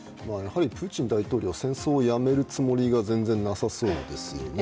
プーチン大統領、戦争をやめるつもりが全然なさそうですよね。